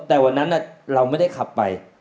แต่วันนั้นเราไม่ได้ขับไป